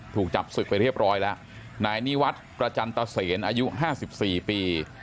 ถูกจับสึกไว้เรียบร้อยแล้วนายนี่วัดกระจันตะเสียรอายุ๕๔ปี